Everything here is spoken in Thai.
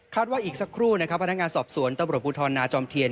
ว่าอีกสักครู่นะครับพนักงานสอบสวนตำรวจภูทรนาจอมเทียน